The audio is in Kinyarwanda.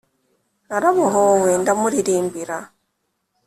Narabohowe ndamuririmbira,